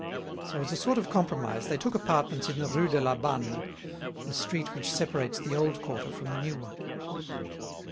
So, as a sort of compromise, they took apartments in the Rue de la Banne, the street which separates the old quarter from the new one.